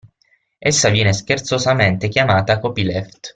Essa viene scherzosamente chiamata "copyleft".